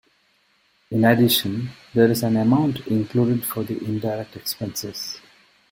In addition, there is an amount included for the indirect expenses.